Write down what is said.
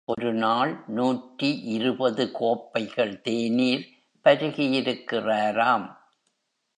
ஒரு நாள் நூற்றி இருபது கோப்பைகள் தேநீர் பருகியிருக்கிறாராம்.